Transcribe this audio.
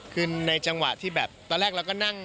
คือในจังหวะที่แบบตอนแรกเราก็นั่ง